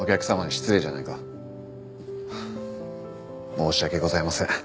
申し訳ございません。